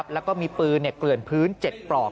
แล้วก็มีปืนเกลื่อนพื้น๗ปลอก